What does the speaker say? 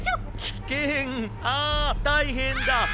あ大変だ！